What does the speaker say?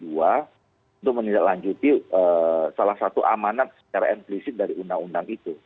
untuk menilai lanjuti salah satu amanat secara implisit dari undang undang itu